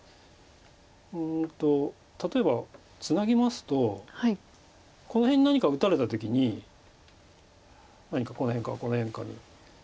うんと例えばツナぎますとこの辺に何か打たれた時に何かこの辺かこの辺かに。